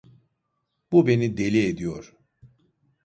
Bu beni deli ediyor.